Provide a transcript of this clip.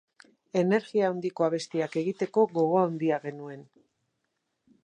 Energia handiko abestiak egiteko gogo handia genuen.